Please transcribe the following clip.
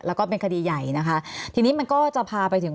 แล้วก็เป็นคดีใหญ่นะคะทีนี้มันก็จะพาไปถึง